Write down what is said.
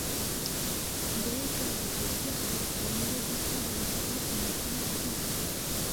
mbega uburyo hagombye gukoreshwa umuhati